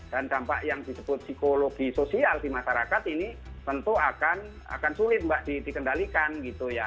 dan dampak yang disebut psikologi sosial di masyarakat ini tentu akan sulit mbak dikendalikan gitu ya